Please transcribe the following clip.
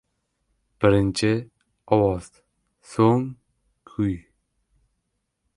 • Birinchi — ovoz, so‘ng — kuy.